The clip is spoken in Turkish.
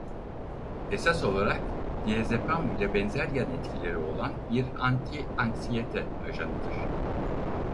Esas olarak diazepam ile benzer yan etkileri olan bir anti-anksiyete ajanıdır.